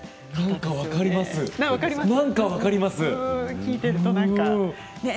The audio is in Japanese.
何か分かります。